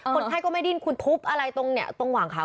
คนไข้ก็ไม่ได้ยินคุณทุบอะไรตรงหว่างขา